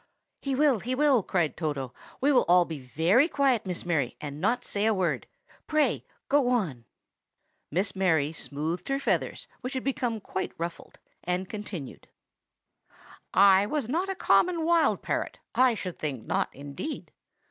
"He will, he will!" cried Toto. "We will all be very quiet, Miss Mary, and not say a word. Pray go on." Miss Mary smoothed her feathers, which had become quite ruffled, and continued,— "I was not a common wild parrot,—I should think not, indeed!